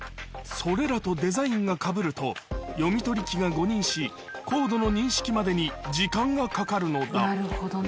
それらとデザインがかぶると、読み取り機が誤認し、コードの認識までに時間がかかるのだ。